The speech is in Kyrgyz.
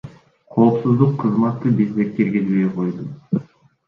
Коопсуздук кызматы бизди киргизбей койду.